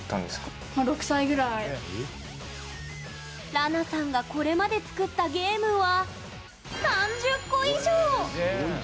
らなさんがこれまで作ったゲームは３０個以上！